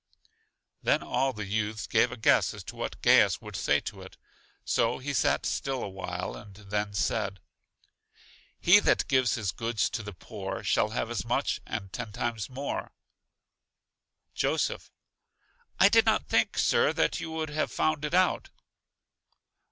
Then all the youths gave a guess as to what Gaius would say to it; so he sat still a while, and then said: He that gives his goods to the poor, Shall have as much and ten times more. Joseph: I did not think, Sir, that you would have found it out.